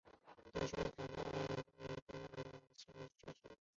此等学者认为刘勋宁的分区法亦有一定可取之处。